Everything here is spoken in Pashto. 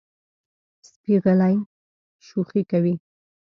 سپي غلی شوخي کوي.